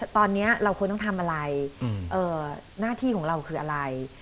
ตอนนี้เราควรต้องทำอะไรหน้าที่ของเราคืออะไร